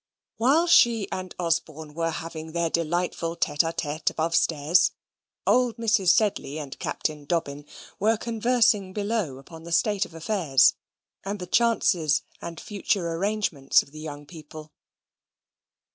While she and Osborne were having their delightful tete a tete above stairs, old Mrs. Sedley and Captain Dobbin were conversing below upon the state of the affairs, and the chances and future arrangements of the young people.